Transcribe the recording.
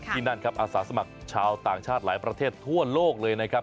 นั่นครับอาสาสมัครชาวต่างชาติหลายประเทศทั่วโลกเลยนะครับ